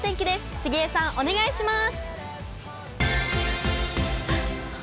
杉江さん、お願いします。